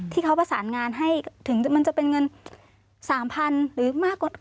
ที่เขาประสานงานให้ถึงมันจะเป็นเงิน๓๐๐๐หรือมากกว่า